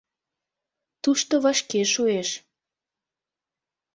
Тушто вашке шуэш.